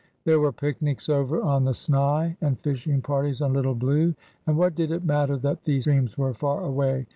There were picnics over on the Snai, and fishing parties on Little Blue,— and what did it matter that these streams were far away?